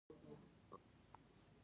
د کڅ لوے جومات راورسېدۀ مونږ تږي شوي وو